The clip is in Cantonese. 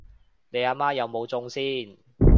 你阿媽有冇中先？